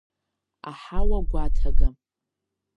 Аҳауа гәаҭага…